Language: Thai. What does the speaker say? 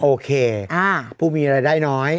โอเคผู้มีรายได้น้อย